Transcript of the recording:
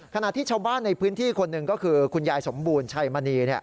ขณะที่ชาวบ้านในพื้นที่คนหนึ่งก็คือคุณยายสมบูรณ์ชัยมณี